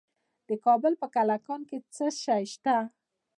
د کابل په کلکان کې څه شی شته؟